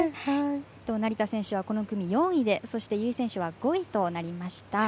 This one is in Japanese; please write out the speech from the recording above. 成田選手はこの組４位でそして、由井選手は５位となりました。